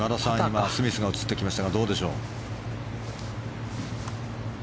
今、スミスが映ってきましたがどうでしょう。